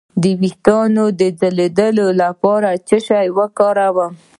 د ویښتو د ځلیدو لپاره باید څه شی وکاروم؟